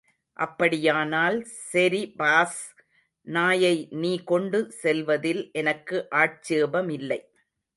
அப்படியானால் செரிபாஸ் நாயை நீ கொண்டு செல்வதில் எனக்கு ஆட்சேபமில்லை.